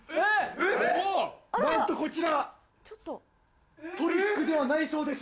なんとこちらトリックではないそうです。